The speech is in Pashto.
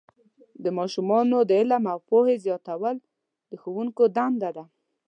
د ماشومانو د علم او پوهې زیاتول د ښوونکو دنده ده.